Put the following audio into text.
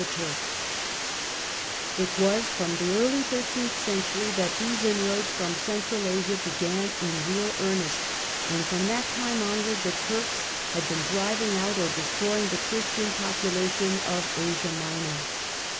The Turks It was in the early thirteenth century that these in roads from Central Asia began in real earnest, and from that time onward the Turks had been driving out or de stroying the Christian population of Asia Minor.